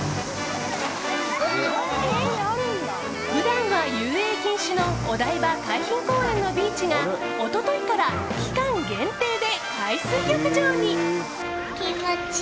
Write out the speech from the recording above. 普段は遊泳禁止のお台場海浜公園のビーチが一昨日から期間限定で海水浴場に。